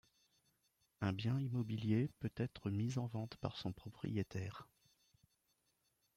Un bien immobilier peut être mis en vente par son propriétaire.